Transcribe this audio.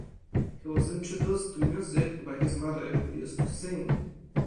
He was introduced to music by his mother who used to sing.